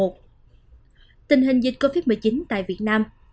tình hình dịch covid một mươi chín tại việt nam